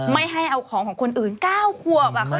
ไม่ให้เอาของของคนอื่น๙ขวบ